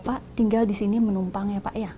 pak tinggal di sini menumpang ya pak ya